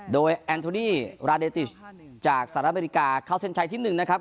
โดยแอนโทนี่จากสหรัฐอเมริกาเข้าเซ็นชัยที่หนึ่งนะครับ